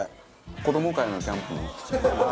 子ども会のキャンプの。